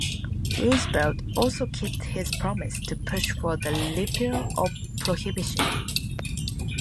Roosevelt also kept his promise to push for the repeal of Prohibition.